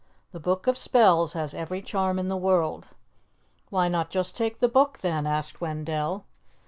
The Book of Spells has every charm in the world." "Why not just take the book then?" asked Wendell.